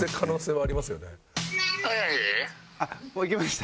あっもういけました？